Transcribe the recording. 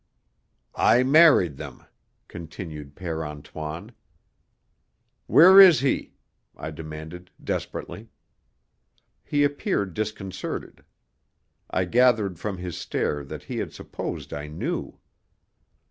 "I married them," continued Père Antoine. "Where is he?" I demanded desperately. He appeared disconcerted. I gathered from his stare that he had supposed I knew.